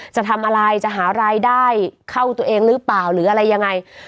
จะทำอะไรจะหารายได้เข้าตัวเองหรือเปล่าหรืออะไรยังไง